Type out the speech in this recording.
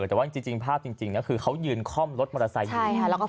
แต่ว่าจริงภาพจริงนะคือเขายืนคล่อมรถมอเตอร์ไซค์อยู่ใช่ค่ะ